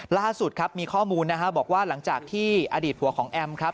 ล่าสุดครับมีข้อมูลนะฮะบอกว่าหลังจากที่อดีตผัวของแอมครับ